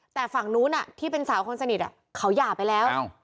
แต่ฝั่งนู้นที่เป็นสาวคนสนิทเขาหย่าไปแล้ว